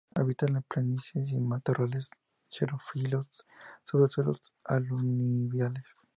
Habita en planicies y en matorrales xerófilos sobre suelos aluviales.